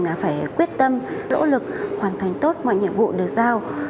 là phải quyết tâm lỗ lực hoàn thành tốt mọi nhiệm vụ được giao